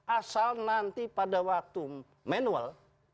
asal nanti pada waktu manual